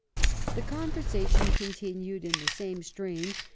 * The conversation continued in the same strain.